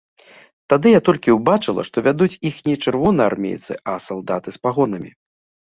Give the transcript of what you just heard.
Тады я толькі ўбачыла, што вядуць іх не чырвонаармейцы, а салдаты з пагонамі.